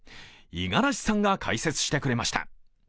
五十嵐さんが解説してくれました。